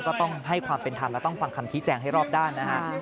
ก็ต้องให้ความเป็นธรรมและต้องฟังคำชี้แจงให้รอบด้านนะฮะ